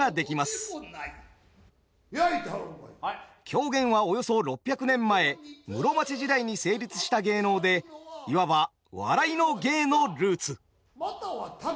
狂言はおよそ６００年前室町時代に成立した芸能でいわば「笑いの芸」のルーツ。